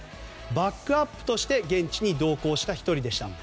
バックアップとして現地に同行した１人でした。